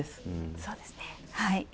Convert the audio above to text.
そうですね。